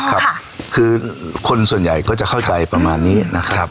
ครับคือคนส่วนใหญ่ก็จะเข้าใจประมาณนี้นะครับ